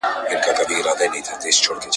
نه یې زور نه یې منګول د چا لیدلی `